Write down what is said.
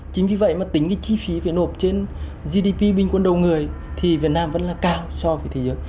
chính vì vậy mà tính cái chi phí phải nộp trên gdp bình quân đầu người thì việt nam vẫn là cao so với thế giới